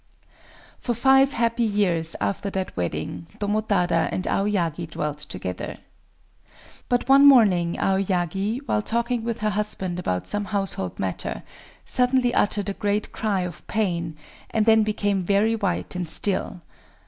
For five happy years, after that wedding, Tomotada and Aoyagi dwelt together. But one morning Aoyagi, while talking with her husband about some household matter, suddenly uttered a great cry of pain, and then became very white and still.